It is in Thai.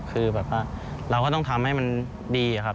คือแบบว่าเราก็ต้องทำให้มันดีอะครับ